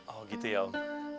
oh gitu ya om